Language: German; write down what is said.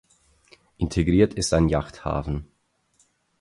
Integriert ist ein Yachthafen.